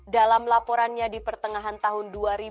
dalam laporannya di pertengahan tahun dua ribu dua puluh